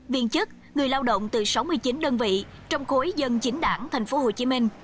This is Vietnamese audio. viên chức người lao động từ sáu mươi chín đơn vị trong khối dân chính đảng tp hcm